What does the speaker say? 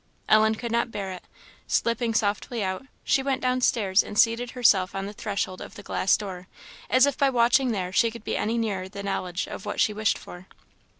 Ellen could not bear it; slipping softly out, she went downstairs and seated herself on the threshold of the glass door, as if by watching there she could be any nearer the knowledge of what she wished for.